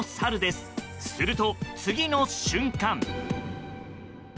すると、次の瞬間。